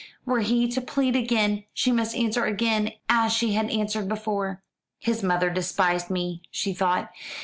Were he to plead again she must answer again as she had answered before. "His mother despised me," she thought.